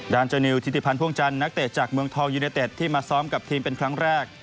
เจ้านิวทิติพันธ์พ่วงจันทร์นักเตะจากเมืองทองยูเนเต็ดที่มาซ้อมกับทีมเป็นครั้งแรก